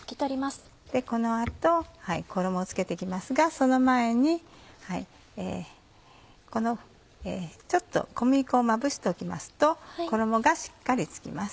この後衣を付けて行きますがその前にこのちょっと小麦粉をまぶしておきますと衣がしっかり付きます。